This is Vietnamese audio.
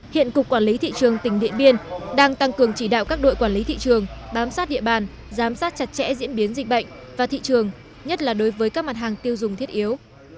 hiện cục quản lý thị trường tỉnh điện biên đang tăng cường chỉ đạo các đội quản lý thị trường bám sát địa bàn giám sát chặt chẽ diễn biến dịch bệnh và thị trường nhất là đối với các mặt hàng tiêu dùng thiết yếu